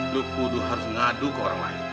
lu kudu harus ngadu ke orang lain